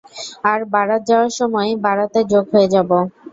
আর বারাত যাওয়ার সময়, বারাতে যোগ হয়ে যাবো।